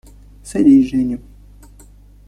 – Садись, Женя.